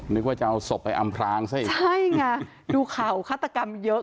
นึกว่าจะเอาศพไปอำพรางซะอีกใช่ไงดูข่าวฆาตกรรมเยอะ